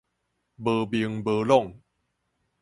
無明無朗